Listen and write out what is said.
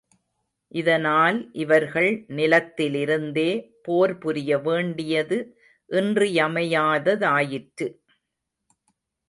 இதனால், இவர்கள் நிலத்திலிருந்தே போர் புரிய வேண்டியது இன்றியமையாததாயிற்று.